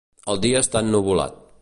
El dia està ennuvolat.